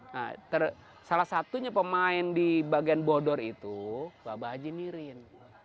nah salah satunya pemain di bagian bodor itu bapak haji nirin